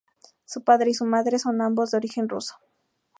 Su padre y su madre son ambos de origen ruso.